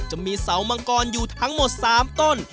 จะมีเสามังกรอยู่ทั้งหมด๓ต้น